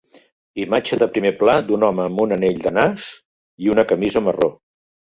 imatge de primer pla d'un home amb un anell de nas i una camisa marró